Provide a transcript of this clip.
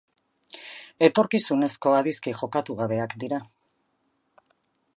Etorkizuneko adizki jokatu gabeak dira.